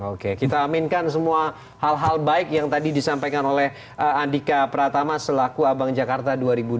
oke kita aminkan semua hal hal baik yang tadi disampaikan oleh andika pratama selaku abang jakarta dua ribu dua puluh